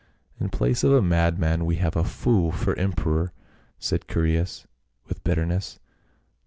" In place of a madman we have a fool for em peror," said Chaereas with bitterness.